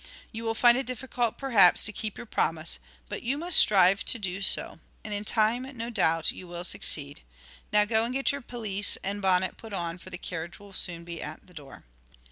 You will find it difficult, perhaps, to keep your promise; but you must strive hard to do so, and in time no doubt you will succeed. Now go and get your pelisse and bonnet put on, for the carriage will soon be at the door.'